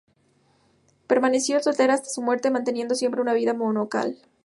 Permaneció soltera hasta su muerte, manteniendo siempre una vida monacal.